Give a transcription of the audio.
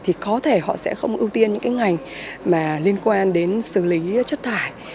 thì có thể họ sẽ không ưu tiên những cái ngành mà liên quan đến xử lý chất thải